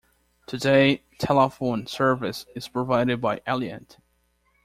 Today, telephone service is provided by Aliant.